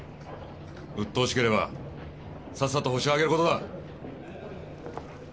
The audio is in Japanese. うっとうしければさっさとホシを挙げることだ！